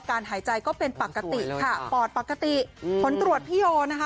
หายใจก็เป็นปกติค่ะปอดปกติผลตรวจพี่โยนะคะ